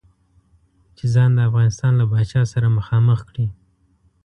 چې ځان د افغانستان له پاچا سره مخامخ کړي.